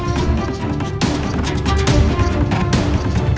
stres itu dia pak